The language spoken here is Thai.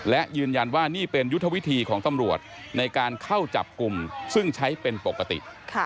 และยืนยันว่านี่เป็นยุทธวิธีของตำรวจในการเข้าจับกลุ่มซึ่งใช้เป็นปกติ